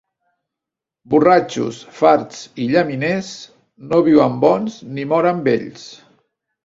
Borratxos, farts i llaminers, no viuen bons ni moren vells.